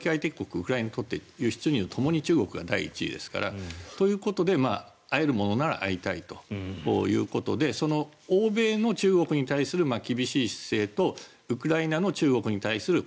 ウクライナにとって輸出入ともに中国が第１位ですから会えるものなら会いたいということで欧米の中国に対する厳しい姿勢とウクライナの中国に対する姿勢